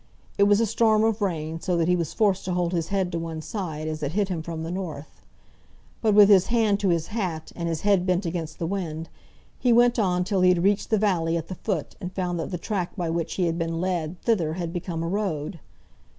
It was a storm of rain, so that he was forced to hold his head to one side, as it hit him from the north. But with his hand to his hat, and his head bent against the wind, he went on till he had reached the valley at the foot, and found that the track by which he had been led thither had become a road.